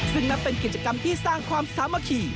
ซึ่งนับเป็นกิจกรรมที่สร้างความสามัคคี